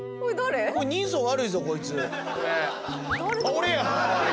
俺や！